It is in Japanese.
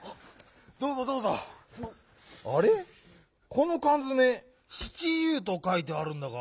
このかんづめ「シチユー」とかいてあるんだが。